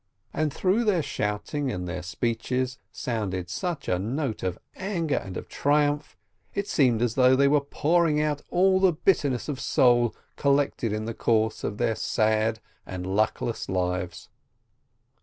And through their shouting and their speeches sounded such a note of anger and of triumph, it seemed as though they were pouring out all the bitterness of soul collected in the course of their sad and luckless lives.